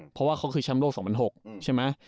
เพราะว่าเขาคือแชมป์โลก๒๐๐๖ใช่ไหม